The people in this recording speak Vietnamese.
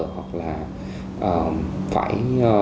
hoặc là phải